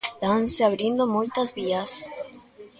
Estanse abrindo moitas vías.